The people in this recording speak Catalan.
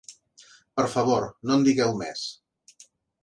Per favor, no en digueu més.